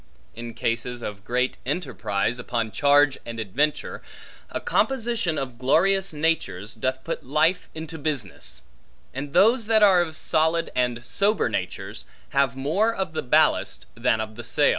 In cases of great enterprise upon charge and adventure, a composition of glorious natures, doth put life into business; and those that are of solid and sober natures, have more of the ballast, than of the sail.